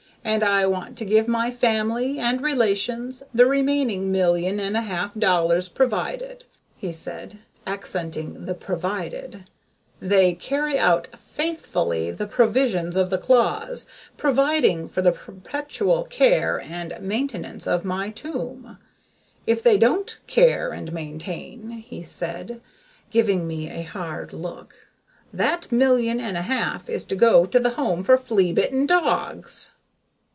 "And I want to give my family and relations the remaining million and a half dollars, provided," he said, accenting the 'provided,' "they carry out faithfully the provisions of the clause providing for the perpetual care and maintenance of my tomb. If they don't care and maintain," he said, giving me a hard look, "that million and a half is to go to the Home for Flea Bitten Dogs."